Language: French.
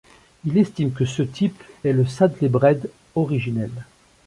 Il estime que ce type est le Saddlebred originel.